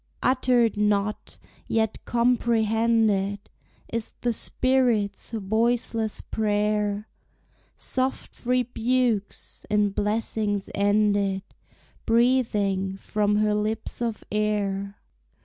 Uttered not, yet comprehended, Is the spirit's voiceless prayer, Soft rebukes, in blessings ended, Breathing from her lips of air.